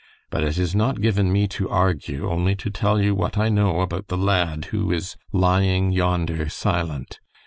But it is not given me to argue, only to tell you what I know about the lad who is lying yonder silent.